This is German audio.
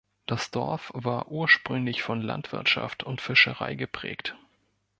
Das Dorf war ursprünglich von Landwirtschaft und Fischerei geprägt.